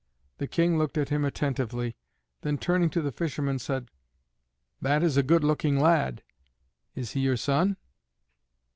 The King looked at him attentively, then turning to the fisherman, said, "That is a good looking lad; is he your son?"